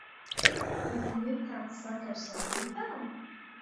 Vai tam ir kāds sakars ar jūtām?